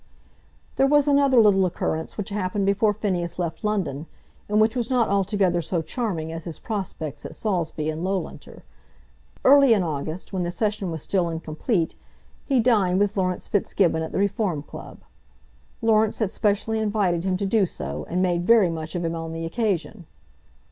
There was another little occurrence which happened before Phineas left London, and which was not altogether so charming as his prospects at Saulsby and Loughlinter. Early in August, when the session was still incomplete, he dined with Laurence Fitzgibbon at the Reform Club. Laurence had specially invited him to do so, and made very much of him on the occasion.